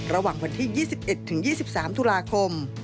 ระหว่างวันที่๒๑๒๓ตุลาคม